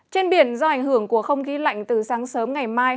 trên biển do ảnh hưởng của không khí lạnh từ sáng sớm ngày mai